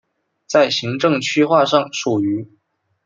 在行政区划上属于。